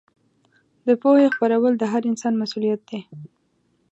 د پوهې خپرول د هر انسان مسوولیت دی.